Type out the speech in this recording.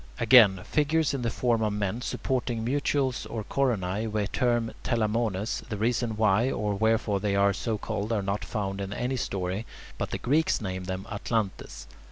Again, figures in the form of men supporting mutules or coronae, we term "telamones" the reasons why or wherefore they are so called are not found in any story but the Greeks name them [Greek: atlantes].